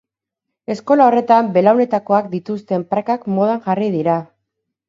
Eskola horretan belaunetakoak dituzten prakak modan jarri dira.